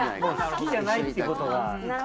もう好きじゃないってことが。